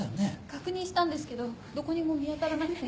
確認したんですけどどこにも見当たらなくて。